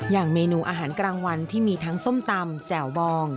อย่างเมนูอาหารกลางวันที่มีทั้งส้มตำแจ่วบอง